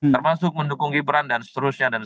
termasuk mendukung gibran dan seterusnya